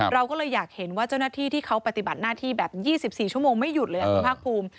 เราก็เลยอยากเห็นว่าเจ้าหน้าที่ที่เขาปฏิบัติหน้าที่แบบ๒๔ชั่วโมงไม่หยุดเลยคุณภาคภูมิ